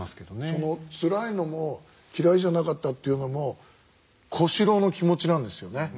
そのつらいのも嫌いじゃなかったというのも小四郎の気持ちなんですよね。